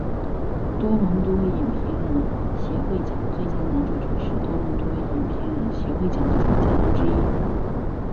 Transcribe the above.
多伦多影评人协会奖最佳男主角是多伦多影评人协会奖的主要奖项之一。